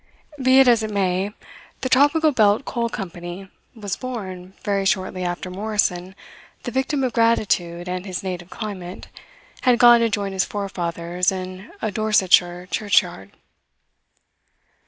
Be it as it may, the Tropical Belt Coal Company was born very shortly after Morrison, the victim of gratitude and his native climate, had gone to join his forefathers in a Dorsetshire churchyard.